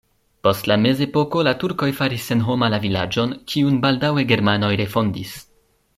Post la mezepoko la turkoj faris senhoma la vilaĝon, kiun baldaŭe germanoj refondis.